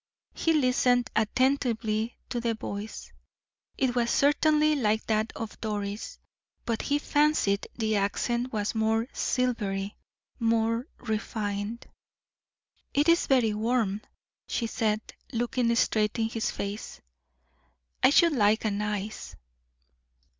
He listened attentively to the voice; it was certainly like that of Doris, but he fancied the accent was more silvery, more refined. "It is very warm," she said, looking straight in his face; "I should like an ice."